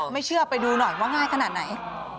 ไม่เชื่อไปดูหน่อยว่าง่ายขนาดไหน